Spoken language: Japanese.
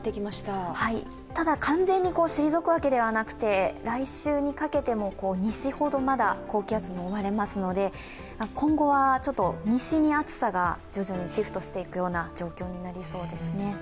ただ、完全に退くわけではなくて来週にかけて西ほど、まだ高気圧に覆われますので、今後は西に暑さがシフトしていくような状況ですね。